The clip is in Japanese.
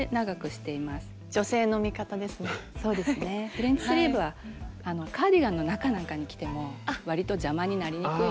フレンチスリーブはカーディガンの中なんかに着てもわりと邪魔になりにくいので。